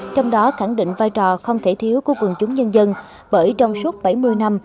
trong đó khẳng định vai trò không thể thiếu của quần chúng nhân dân bởi trong suốt bảy mươi năm